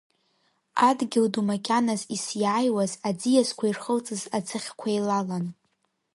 Адгьыл ду макьаназ исиааиуаз, аӡиасқәа ирхылҵыз аӡыхьқәа еилалан…